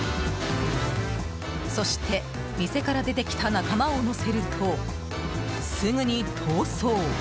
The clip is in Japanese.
そして、店から出てきた仲間を乗せるとすぐに逃走。